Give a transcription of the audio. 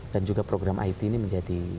dan juga program it ini menjadi